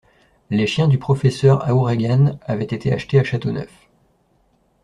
Les chiens du professeur Aouregan avaient été achetés à Châteauneuf.